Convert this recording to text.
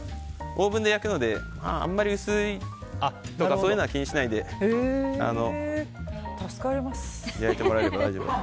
オーブンで焼くのであんまり薄さとかそういうのは気にしないで焼いてもらえれば大丈夫です。